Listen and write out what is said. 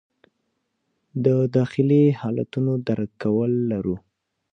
د داخلي حالتونو درک کول لرو.